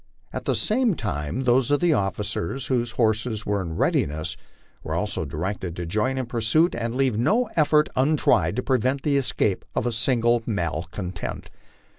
'At the same time those of the officers whose horses were in readiness were also directed to join in the pursuit and leave no effort untried to prevent the escape of a single malcontent.